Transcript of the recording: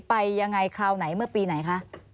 ไปยังไงคราวไหนเมื่อปีไหนคะ